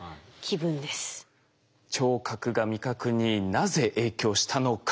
聴覚が味覚になぜ影響したのか？